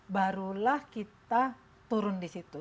barulah kita turun di situ